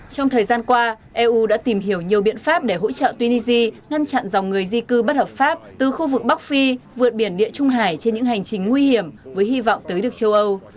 trong thời gian qua eu đã tìm hiểu nhiều biện pháp để hỗ trợ tunisia ngăn chặn dòng người di cư bất hợp pháp từ khu vực bắc phi vượt biển địa trung hải trên những hành trình nguy hiểm với hy vọng tới được châu âu